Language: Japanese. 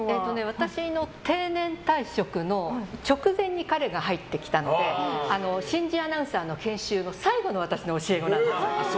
私の定年退職の直前に彼が入ってきたので新人アナウンサーの研修の最後の私の教え子なんです。